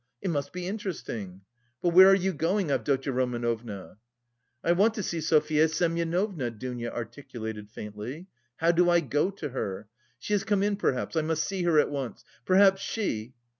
It must be interesting. But where are you going, Avdotya Romanovna?" "I want to see Sofya Semyonovna," Dounia articulated faintly. "How do I go to her? She has come in, perhaps. I must see her at once. Perhaps she..."